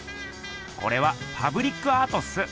これはパブリックアートっす。